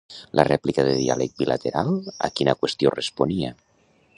La rèplica de diàleg bilateral a quina qüestió responia?